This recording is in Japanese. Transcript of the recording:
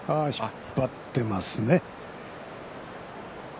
引っ張っていますね。